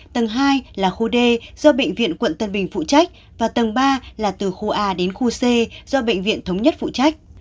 tầng hai là khu d do bệnh viện quận tân bình phụ trách và tầng ba là từ khu a đến khu c do bệnh viện thống nhất phụ trách